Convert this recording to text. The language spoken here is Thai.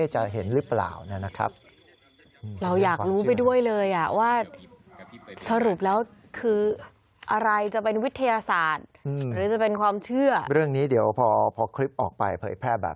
จะเห็นหรือเปล่านะครับ